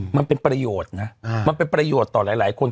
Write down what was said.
มันเป็นประโยชน์นะมันเป็นประโยชน์ต่อหลายคน